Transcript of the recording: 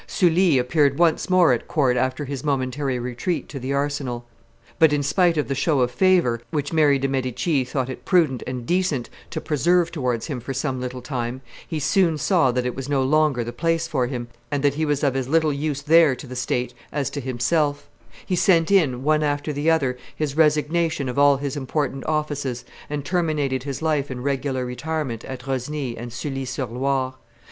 Sully appeared once more at court after his momentary retreat to the arsenal; but, in spite of the show of favor which Mary de' Medici thought it prudent and decent to preserve towards him for some little time, he soon saw that it was no longer the place for him, and that he was of as little use there to the state as to himself; he sent in, one after the other, his resignation of all his important offices, and terminated his life in regular retirement at Rosny and Sully sur Loire.